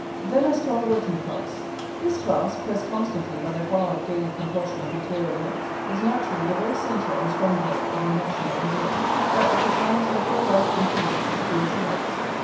Then as to our working class. This class, pressed constantly by the hard daily compulsion of material wants, is naturally the very centre and stronghold of our national idea, that it is man's ideal right and felicity to do as he likes.